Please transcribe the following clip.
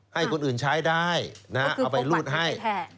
ให้คนอื่นใช้ได้เอาไปรูดให้